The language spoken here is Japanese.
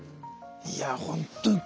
いやほんと